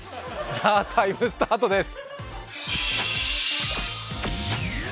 さあ、「ＴＩＭＥ，」スタートです。